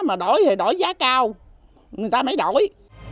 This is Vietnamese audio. mà đổi thì đổi giá cao người ta mới đổi